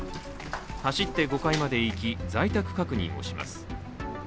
走って５階まで行き、在宅確認をします。